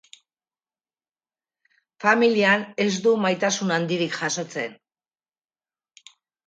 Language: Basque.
Familian ez du maitasun handirik jasotzen.